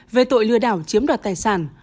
về tội lừa đảo chiếm đoạt tài sản